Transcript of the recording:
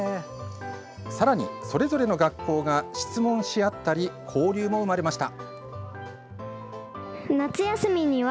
さらに、それぞれの学校が質問し合ったり交流も生まれました。